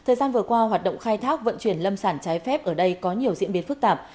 thời gian vừa qua hoạt động khai thác vận chuyển lâm sản trái phép ở đây có nhiều diễn biến phức tạp